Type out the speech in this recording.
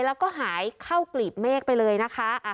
แล้วก็หายเข้ากลีบเมฆไปเลยนะคะ